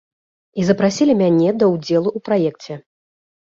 І запрасілі мяне да ўдзелу ў праекце.